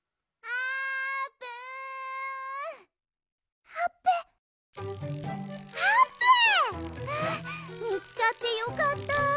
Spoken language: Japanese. ああみつかってよかった！